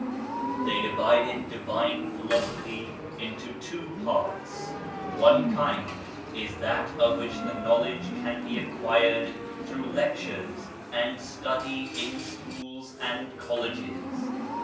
They divided Divine Philosophy into two parts : oiie kind is that of which the knowledge can be acquired through lectures and study in schools and colleges.